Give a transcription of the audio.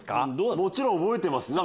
もちろん覚えてます。